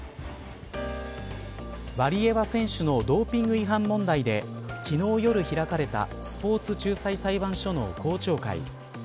ワリエワ選手のドーピング違反問題で昨日夜、開かれたスポーツ仲裁裁判所の公聴会。